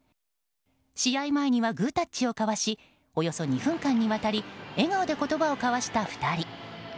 試合前にはグータッチを交わしおよそ２分間にわたり笑顔で言葉を交わした２人。